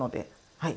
はい。